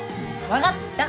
分かった！